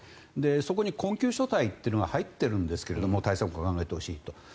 そこに困窮世帯というのが入ってるんですが対策を考えてほしいと。